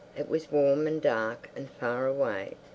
It was warm and dark and far away.